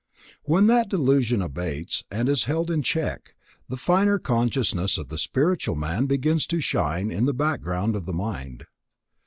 When that delusion abates and is held in check, the finer consciousness of the spiritual man begins to shine in the background of the mind.